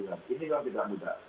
ini memang tidak mudah